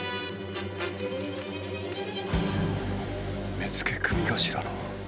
目付組頭の。